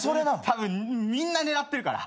たぶんみんな狙ってるから。